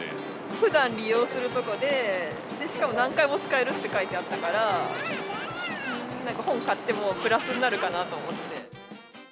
ふだん利用するとこで、しかも何回も使えるって書いてあったから、本買ってもプラスになるかなと思って。